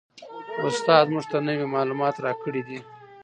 استاد موږ ته نوي معلومات راکړي دي.